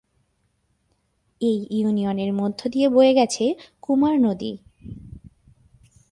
এই ইউনিয়নের মধ্য দিয়ে বয়ে গেছে কুমার নদী।